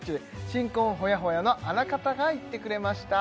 新婚ほやほやのあの方が行ってくれました